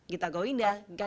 gita gawinda ganjil